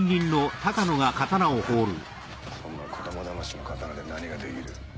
そんな子供だましの刀で何ができる。